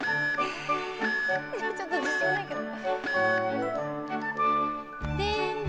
ちょっと自信ないけど。